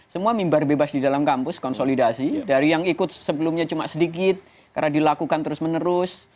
semua mimbar bebas di dalam kampus konsolidasi dari yang ikut sebelumnya cuma sedikit karena dilakukan terus menerus